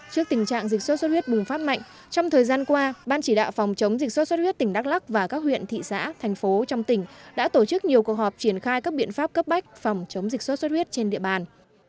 trước tình trạng dịch sốt xuất huyết bùng phát mạnh trong thời gian qua ban chỉ đạo phòng chống dịch sốt xuất huyết tỉnh đắk lắc và các huyện thị xã thành phố trong tỉnh đã tổ chức nhiều cuộc họp triển khai các biện pháp cấp bách phòng chống dịch sốt xuất huyết trên địa bàn